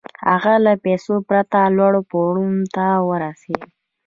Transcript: هغه له پيسو پرته لوړو پوړيو ته ورسېد.